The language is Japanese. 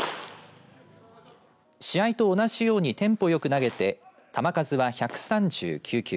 試合と同じようにテンポ良く投げて球数は１３９球。